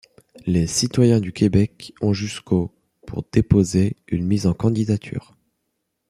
Les citoyens du Québec ont jusqu'au pour déposer une mise en candidature.